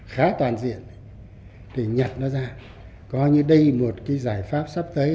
khá toàn diện để nhận nó ra coi như đây là một giải pháp sắp tới